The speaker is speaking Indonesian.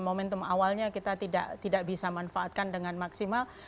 momentum awalnya kita tidak bisa manfaatkan dengan maksimal